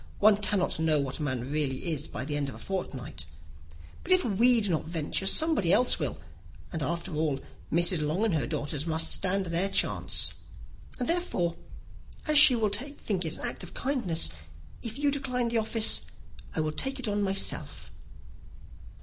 One cannot know what a man really is by the end of a fortnight. But if we do not venture, somebody else will; and after all, Mrs. Long and her nieces must stand their chance; and, therefore, as she will think it an act of kindness, if you decline the office, I will take it on myself."